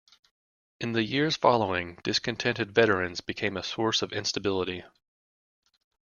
In the years following, discontented veterans became a source of instability.